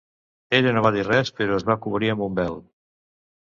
Ella no va dir res, però es va cobrir amb un vel.